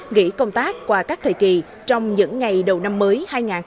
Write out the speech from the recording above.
nghỉ công tác qua các thời kỳ trong những ngày đầu năm mới hai nghìn hai mươi